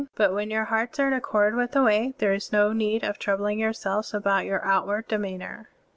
But when your hearts are in accford with the Way, there is no need of troubling yourselves about yotir outward demeanor."